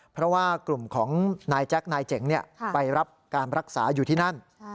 เพราะว่ากลุ่มของนายแจ๊คนายเจ๋งไปรับการรักษาอยู่ที่นั่น